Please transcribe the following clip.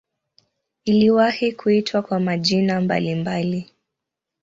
Iliwahi kuitwa kwa majina mbalimbali.